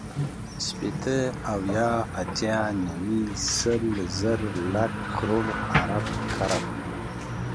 شپېته، اويا، اتيا، نيوي، سل، زر، لک، کروړ، ارب، کرب